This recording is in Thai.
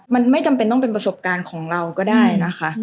มันไม่จำเป็นต้องเป็นประสบการณ์ของเราก็ได้นะคะ